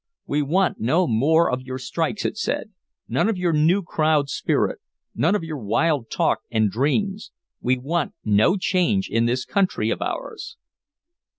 "We want no more of your strikes," it said. "None of your new crowd spirit, none of your wild talk and dreams! We want no change in this country of ours!"